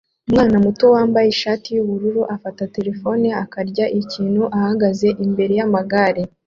Umwana muto wambaye ishati yubururu afata terefone akarya ikintu ahagaze imbere yamagare